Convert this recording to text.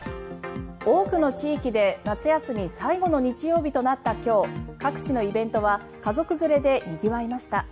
多くの地域で夏休み最後の日曜日となった今日各地のイベントは家族連れでにぎわいました。